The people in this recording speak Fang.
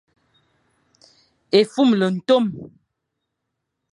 Efumle ntom ;